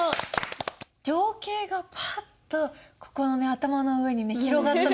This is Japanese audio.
情景がパッとここの頭の上に広がったの。